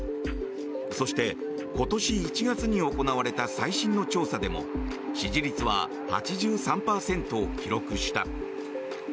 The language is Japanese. そして、今年１月に行われた最新の調査でも支持率は８３％を記録した。